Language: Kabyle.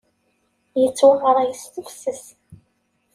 Yettwaɣray s tefses.